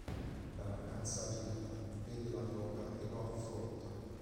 La ragazza arriva, vede la droga e lo affronta.